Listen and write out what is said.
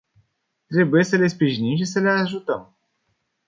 Trebuie să le sprijinim și să le ajutăm.